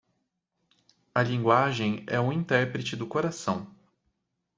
A linguagem é um intérprete do coração.